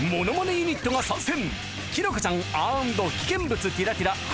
ユニットが参戦